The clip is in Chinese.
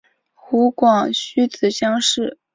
湖广戊子乡试。